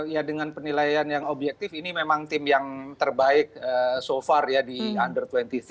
ya dengan penilaian yang objektif ini memang tim yang terbaik so far ya di under dua puluh